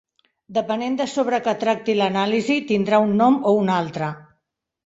Depenent de sobre que tracti l'anàlisi, tindrà un nom o un altre.